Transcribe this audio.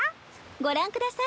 ごらんください。